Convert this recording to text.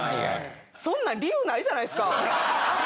そんなん理由ないじゃないですか。